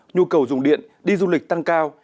nhu cầu dùng điện đi du lịch tăng cao